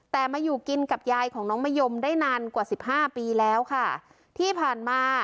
แต่มาอยู่กินกับยายของน้องมะยมได้นานกว่าสิบห้าปีแล้วค่ะที่ผ่านมา